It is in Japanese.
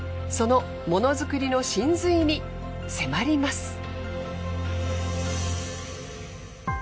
そのモノづくりの真髄に迫ります。